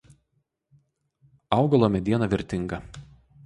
Augalo mediena vertinga.